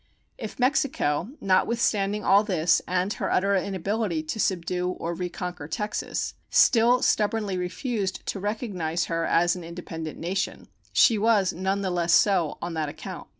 If Mexico, notwithstanding all this and her utter inability to subdue or reconquer Texas, still stubbornly refused to recognize her as an independent nation, she was none the less so on that account.